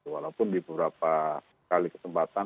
walaupun di beberapa kali kesempatan